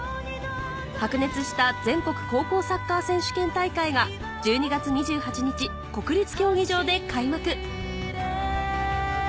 白熱した全国高校サッカー選手権大会が１２月２８日国立競技場で開幕